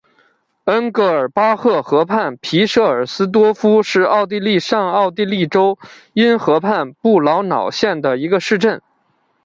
恩格尔巴赫河畔皮舍尔斯多夫是奥地利上奥地利州因河畔布劳瑙县的一个市镇。